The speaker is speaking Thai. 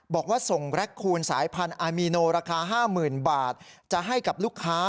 บอกว่าส่งแร็คคูณสายพันธุ์อามีโนราคา๕๐๐๐บาทจะให้กับลูกค้า